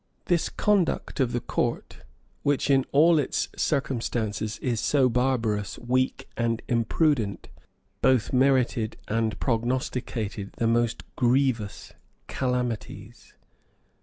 This conduct of the court, which, in all its circumstances, is so barbarous, weak, and imprudent both merited and prognosticated the most grievous calamities.